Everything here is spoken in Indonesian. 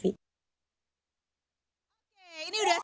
oke ini sudah siap mobilnya wah luar biasa